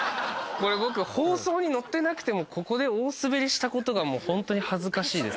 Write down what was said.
これ僕放送に乗ってなくてもここで大スベリしたことがもうホントに恥ずかしいです